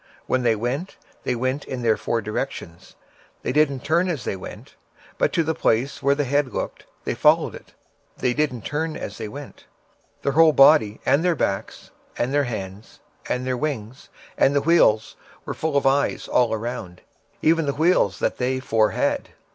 26:010:011 When they went, they went upon their four sides; they turned not as they went, but to the place whither the head looked they followed it; they turned not as they went. 26:010:012 And their whole body, and their backs, and their hands, and their wings, and the wheels, were full of eyes round about, even the wheels that they four had.